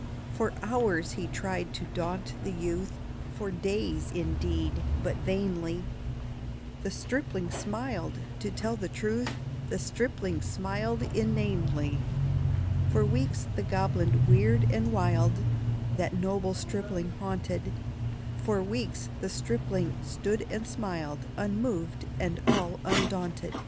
For hours he tried to daunt the youth, For days, indeed, but vainly— The stripling smiled!—to tell the truth, The stripling smiled inanely. For weeks the goblin weird and wild, That noble stripling haunted; For weeks the stripling stood and smiled, Unmoved and all undaunted.